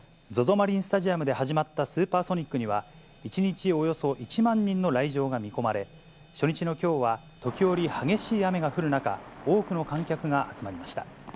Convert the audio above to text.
マリンスタジアムで始まったスーパーソニックには、１日およそ１万人の来場が見込まれ、初日のきょうは、時折、激しい雨が降る中、多くの観客が集まりました。